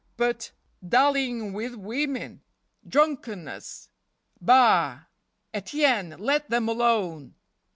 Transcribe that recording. But dallying with women, drunkenness — bah! Etienne, let them alone!